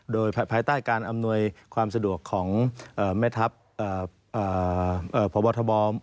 โดยภายใต้การอำนวยความสะดวกของแม่ทัพพบทบ